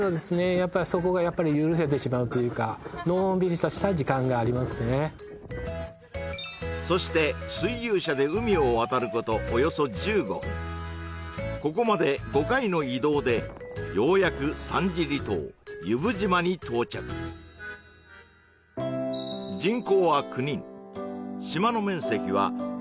やっぱりそこが許せてしまうというかのんびりとした時間がありますねそして水牛車で海を渡ることおよそ１５分ここまで５回の移動でようやく３次離島由布島に到着人口９人！